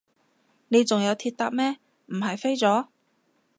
你仲有鐵搭咩，唔係飛咗？